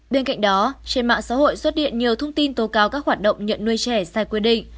bên cạnh đó trên mạng xã hội xuất hiện nhiều thông tin tố cáo các hoạt động nhận nuôi trẻ sai quy định